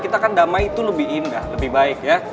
kita kan damai itu lebih indah lebih baik ya